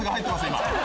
今。